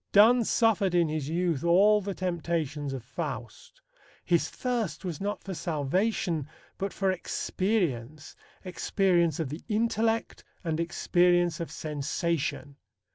Donne suffered in his youth all the temptations of Faust. His thirst was not for salvation but for experience experience of the intellect and experience of sensation.